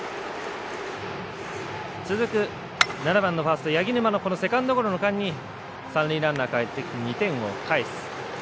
続く７番のファーストの柳沼のセカンドゴロの間に三塁ランナーかえってきて２点を返す。